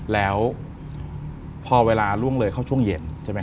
แล้วพอเวลาล่วงเลยเข้าช่วงเย็น